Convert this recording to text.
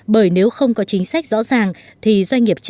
bởi nếu không có chính sách rõ ràng